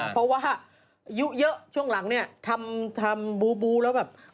เพราะว่ายุะเยอะช่วงหลังทำบูล์แล้วแบบ